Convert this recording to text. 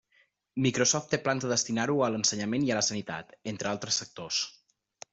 Microsoft té plans de destinar-ho a l'ensenyament i a la sanitat, entre altres sectors.